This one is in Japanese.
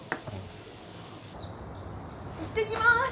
行ってきます